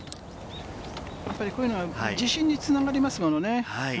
こういうのが自信に繋がりますもんね。